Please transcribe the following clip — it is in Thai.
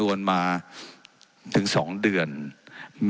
ว่าการกระทรวงบาทไทยนะครับ